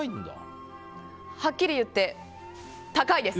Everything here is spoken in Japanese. はっきり言って、高いです！